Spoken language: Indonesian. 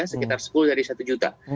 sekitar sepuluh dari satu juta